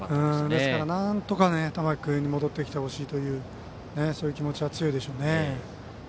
ですから、なんとか玉木君に戻ってきてほしいという気持ちが強いでしょうね。